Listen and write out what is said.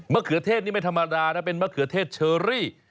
เขือเทศนี่ไม่ธรรมดานะเป็นมะเขือเทศเชอรี่